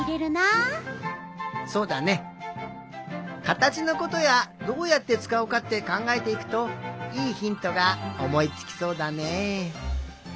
かたちのことやどうやってつかうかってかんがえていくといいひんとがおもいつきそうだねえ。